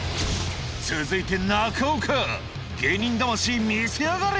続いて芸人魂見せやがれ！